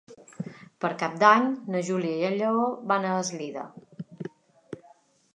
Per Cap d'Any na Júlia i en Lleó van a Eslida.